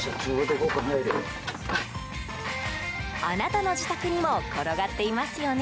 あなたの自宅にも転がっていますよね